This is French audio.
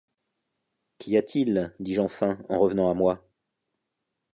Qu’y a-t-il ? dis-je enfin, en revenant à moi.